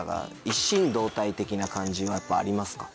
一心同体的な感じはやっぱありますか？